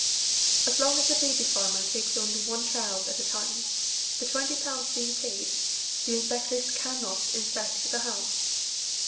As long as a baby farmer takes only one child at a time, the twenty pounds being paid, the inspectors cannot inspect the house.